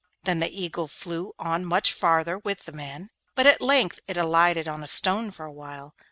Then the Eagle flew on much farther with the man, but at length it alighted on a stone for a while.